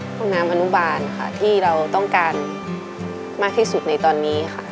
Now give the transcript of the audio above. ห้องน้ำอนุบาลค่ะที่เราต้องการมากที่สุดในตอนนี้ค่ะ